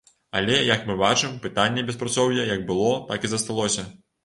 Але, як мы бачым, пытанне беспрацоўя як было, так і засталося.